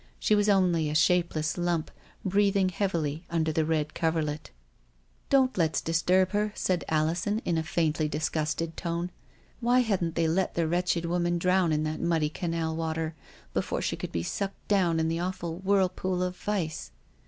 She was only a shapeless lump, breathing heavily under the red coverlet. The atmosphere about Number Twenty seven was unpleasant. " Don't let's disturb her," said Alison, in a faintly disgusted tone. " Why hadn't they let the wretched woman drown in that muddy canal water, before she could be sucked down in the awful whirlpool of vice.